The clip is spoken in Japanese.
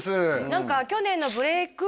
何か去年のブレイク？